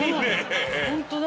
ホントだ。